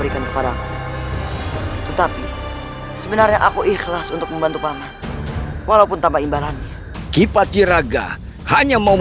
cepat bersihlah atur tenaga dalammu